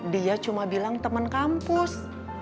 dia cuma bilang teman kampus